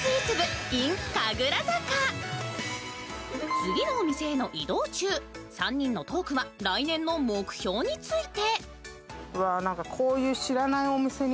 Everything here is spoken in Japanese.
次のお店への移動中、３人のトークは来年の目標について。